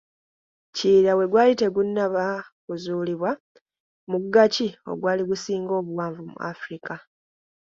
"Kiyira bwe gwali nga tegunnaba kuzuulibwa, mugga ki ogwali gusinga obuwanvu mu Afrika?"